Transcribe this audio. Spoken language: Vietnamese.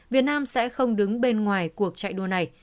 việt nam sẽ không đứng bên ngoài cuộc chạy đua này